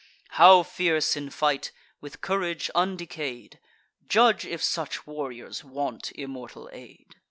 How fierce in fight, with courage undecay'd! Judge if such warriors want immortal aid."